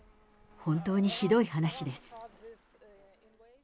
本当にひどい話です。